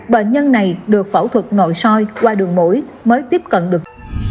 bệnh nhân này được phẫu thuật nội soi qua đường mũi mới tiếp cận được